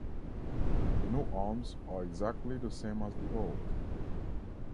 The new arms are exactly the same as the old.